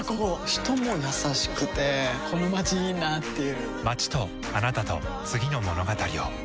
人も優しくてこのまちいいなぁっていう